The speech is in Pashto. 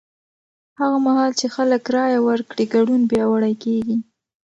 هغه مهال چې خلک رایه ورکړي، ګډون پیاوړی کېږي.